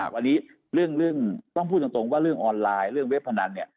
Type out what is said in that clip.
วันนี้เรื่องต้องพูดตรงว่าเรื่องออนไลน์เรื่องเว็บพนันเนี่ย